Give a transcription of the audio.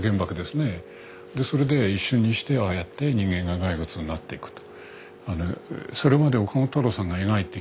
でそれで一瞬にしてああやって人間が骸骨になっていくと。